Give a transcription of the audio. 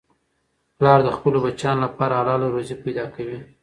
پلار د خپلو بچیانو لپاره حلاله روزي پیدا کوي.